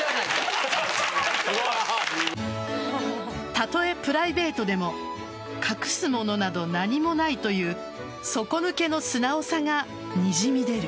たとえ、プライベートでも隠すものなど何もないという底抜けの素直さがにじみ出る。